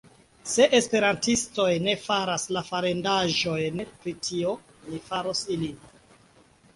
Se Esperantistoj ne faras la farendaĵojn pri tio, mi faros ilin.